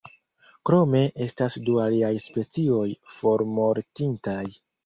Krome estas du aliaj specioj formortintaj.